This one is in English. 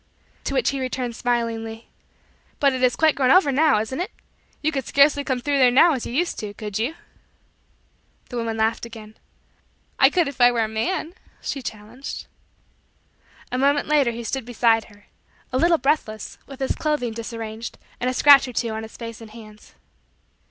To which he returned smilingly: "But it is quite grown over now, isn't it? You could scarcely come through there now as you used to do could you?" The woman laughed again. "I could if I were a man" she challenged. A moment later he stood beside her; a little breathless, with his clothing disarranged, and a scratch or two on his face and hands.